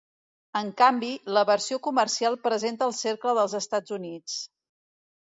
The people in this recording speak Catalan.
En canvi, la versió comercial presenta el cercle dels Estats Units.